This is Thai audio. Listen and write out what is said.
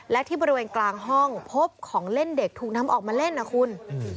และที่บริเวณกลางห้องพบของเล่นเด็กถูกนำออกมาเล่นนะคุณ